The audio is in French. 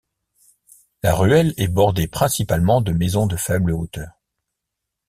La ruelle est bordée principalement de maisons de faible hauteur.